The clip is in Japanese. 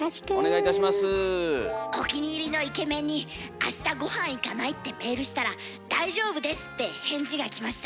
お気に入りのイケメンに「明日御飯行かない？」ってメールしたら「大丈夫です」って返事が来ました。